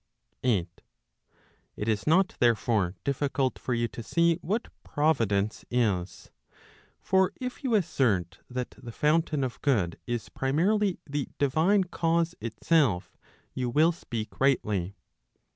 8. It is not therefore, difficult for you to see what Providence is. For if you assert that the fountain of good is primarily the divine cause itself, you will speak rightly.